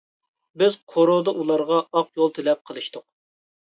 بىز قورۇدا ئۇلارغا ئاق يول تىلەپ قېلىشتۇق.